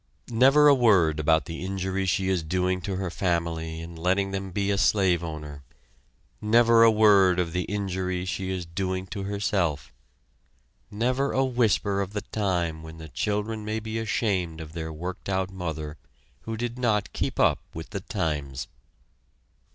Never a word about the injury she is doing to her family in letting them be a slave owner, never a word of the injury she is doing to herself, never a whisper of the time when the children may be ashamed of their worked out mother who did not keep up with the times.